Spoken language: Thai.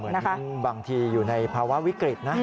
เหมือนบางทีอยู่ในภาวะวิกฤตนะ